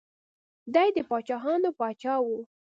دی د پاچاهانو پاچا و.